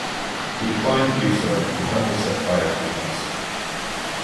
He declined to do so, and Huntly set fire to the house.